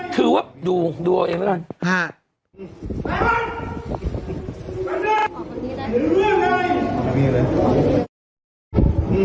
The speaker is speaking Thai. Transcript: คือว่าดูเอาเองนะครับ